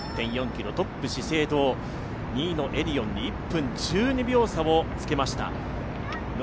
トップは資生堂、２位のエディオンに１分１２秒差をつけました。